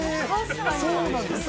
そうなんですか。